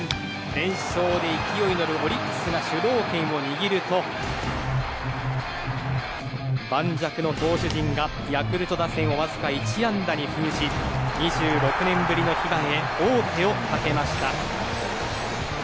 連勝で勢いのあるオリックスが主導権を握ると磐石の投手陣がヤクルト打線をわずか１安打に抑え２６年ぶりの悲願へ王手をかけました。